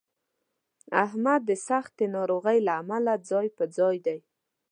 احمد د سختې ناروغۍ له امله ځای په ځای دی.